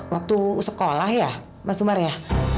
waktu sekolah ya mas umar ya